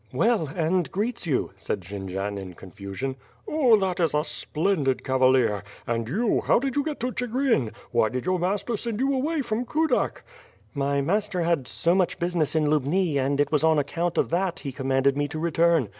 "Well, and greets you/' said Jendzian in confusion. "Oh, that is a splendid cavalier! And you, how did you get to Chigrin? Why did your master send you away from Kudak?" "My master had so much business in Lubni, and it was on account of that he commanded me to return.